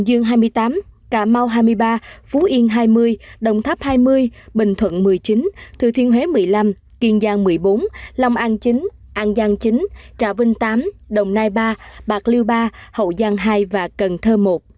nông bốn mươi một khánh hòa ba mươi năm quảng nam hai mươi năm bình dương hai mươi tám cà mau hai mươi ba phú yên hai mươi đồng tháp hai mươi bình thuận một mươi chín thừa thiên huế một mươi năm kiên giang một mươi bốn lòng an chín an giang chín trà vinh tám đồng nai ba bạc liêu ba hậu giang hai và cần thơ một